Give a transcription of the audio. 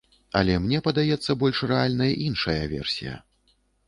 Але мне падаецца больш рэальнай іншая версія.